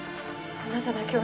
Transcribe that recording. あなただけは！